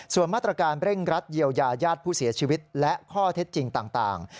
ส่วนมาตรการเร่งรัดเยียวยาญาติผู้เสียชีวิตและข้อเท็จจริงต่าง